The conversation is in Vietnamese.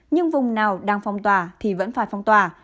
nhưng vùng nào đang phong tỏa thì vẫn phải phong tỏa